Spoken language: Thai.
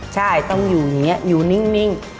ใช่ต้องอยู่อย่างนี้อยู่นิ่ง